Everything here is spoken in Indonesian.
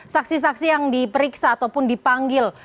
saksi saksi yang diperiksa ataupun dipanggil